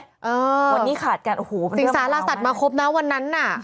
วันนี้ขาดกันโอ้โหสิงสาราสัตว์มาครบนะวันนั้นน่ะ